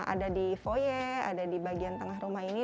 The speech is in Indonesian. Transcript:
ada di voye ada di bagian tengah rumah ini